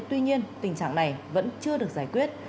tuy nhiên tình trạng này vẫn chưa được giải quyết